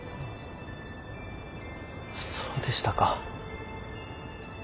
そうでしたか。